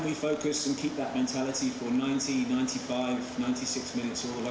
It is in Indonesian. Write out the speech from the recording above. bisa kita fokus dan menjaga mentalitas itu selama sembilan puluh sembilan puluh lima sembilan puluh enam menit selama kita